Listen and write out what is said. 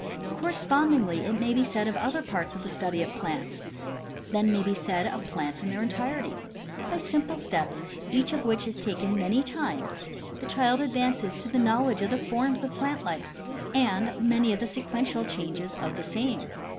Correspondingly it may be said of other parts of the study of plants ; then may it be said of plants in their entirety. By simple steps, each of which is taken many times, the child advances to the knowledge of the forms of plant life and many of the sequen tial changes of the same.